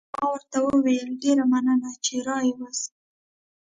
ما ورته وویل: ډېره مننه، چې را يې وست.